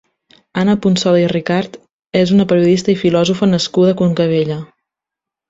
Anna Punsoda i Ricart és una periodista i filòsofa nascuda a Concabella.